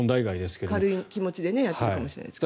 軽い気持ちでやっているかもしれないですね。